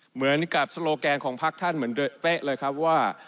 เหมือนกับโซโลแกนของพักท่านเหมือนเป๊ะเลยครับว่า